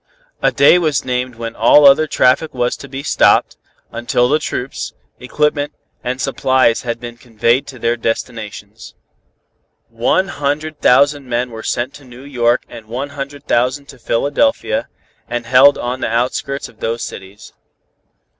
A day was named when all other traffic was to be stopped, until the troops, equipment and supplies had been conveyed to their destinations. One hundred thousand men were sent to New York and one hundred thousand to Philadelphia, and held on the outskirts of those cities.